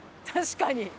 確かに。